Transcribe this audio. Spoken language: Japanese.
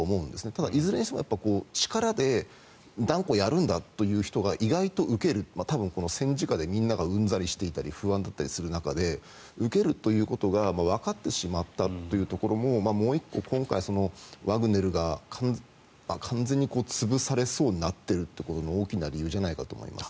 ただ、いずれにしても力で断固やるんだという人が意外と受ける戦時下でみんながうんざりしていたり不安だったりする中で受けるということがわかってしまったというところももう１個、今回、ワグネルが完全に潰されそうになっている大きな理由じゃないかなと思います。